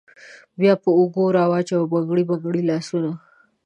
بیا په اوږو راوچوه بنګړي بنګړي لاسونه